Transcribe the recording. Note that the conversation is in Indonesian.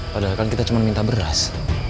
padahal kan kita cuma minta beras